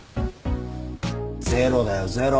ゼロだよゼロ。